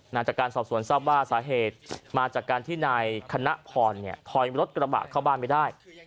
จากการสอบสวนทราบว่าสาเหตุมาจากการที่นายคณะพรถอยรถกระบะเข้าบ้านไม่ได้